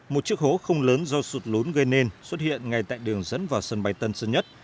một chiếc hố không lớn do sụt lốn gây nên xuất hiện ngay tại đường dẫn vào sân bay tân sơn nhất